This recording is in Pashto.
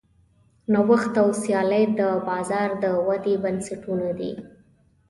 نوښت او سیالي د بازار د ودې بنسټونه دي.